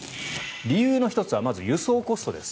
理由の１つは輸送コストです。